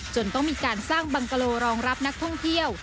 จนต้องมีการสร้างบังกะโลรองรับนักท่องเที่ยว